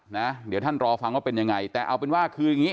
นะเดี๋ยวท่านรอฟังว่าเป็นยังไงแต่เอาเป็นว่าคืออย่างงี้